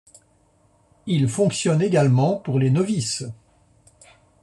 Il fonctionne également pour les novices.